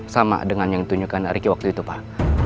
sama dengan yang ditunjukkan ricky waktu itu pak